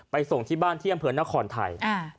ไปส่งที่บ้านเที่ยงเผือนนครไทย